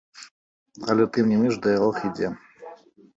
Але, тым не менш, дыялог ідзе.